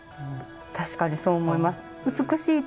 確かにそう思います。